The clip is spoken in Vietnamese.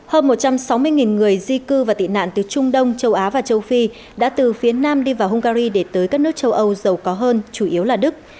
hơn một trăm sáu mươi người di cư và tị nạn từ trung đông châu á và châu phi đã từ phía nam đi vào hungary để tới các nước châu âu giàu có hơn chủ yếu là đức